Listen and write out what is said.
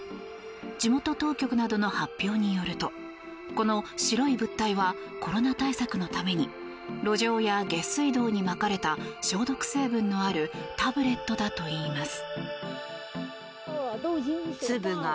地元当局などの発表によるとこの白い物体はコロナ対策のために路上や下水道にまかれた消毒成分のあるタブレットだといいます。